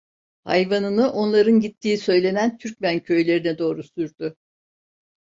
Hayvanını onların gittiği söylenen Türkmen köylerine doğru sürdü.